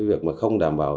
việc không đảm bảo